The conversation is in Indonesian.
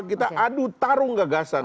kita adu taruh gagasan